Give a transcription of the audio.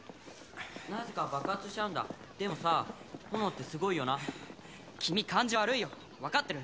なぜか爆発しちゃうんだでもさ炎ってすごいよな君感じ悪いよ分かってる？